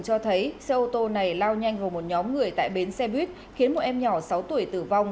cho thấy xe ô tô này lao nhanh vào một nhóm người tại bến xe buýt khiến một em nhỏ sáu tuổi tử vong